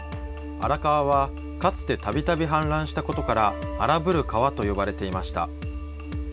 荒川は、かつてたびたび氾濫したことから荒ぶる川と呼ばれていました。